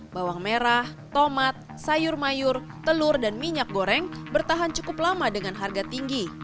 bawang merah tomat sayur mayur telur dan minyak goreng bertahan cukup lama dengan harga tinggi